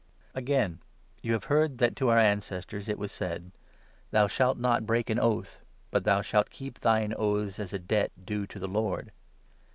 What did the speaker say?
on Again, you have heard that to our ancestors it 33 oaths, was said —' Thou shalt not break an oath, but thou shalt keep thine oaths as a debt due to the Lord.'